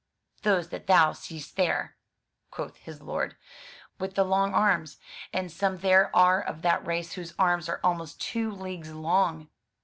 "Those that thou seest there," quoth his lord, "with the long arms. And some there are of that race whose arms are almost two leagues long."